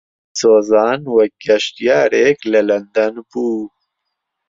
سۆزان وەک گەشتیارێک لە لەندەن بوو.